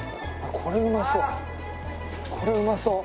これうまそう。